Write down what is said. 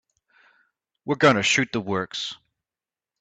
We're going to shoot the works.